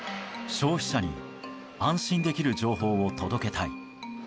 消費者に安心できる情報を届けたい。